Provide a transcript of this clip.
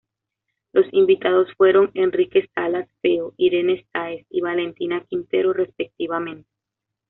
Los invitados fueron Henrique Salas Feo, Irene Sáez y Valentina Quintero, respectivamente.